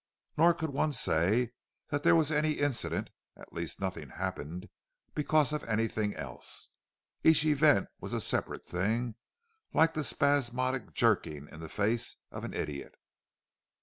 Nor could one say that there was any incident—at least nothing happened because of anything else. Each event was a separate thing, like the spasmodic jerking in the face of an idiot.